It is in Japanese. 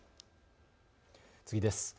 次です。